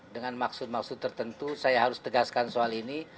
dengan maksud maksud tertentu saya harus tegaskan soal ini